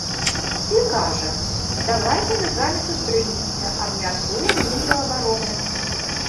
І кажа, давайце мы з вамі сустрэнемся, абмяркуем лінію абароны.